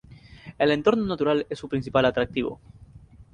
El entorno natural es su principal atractivo.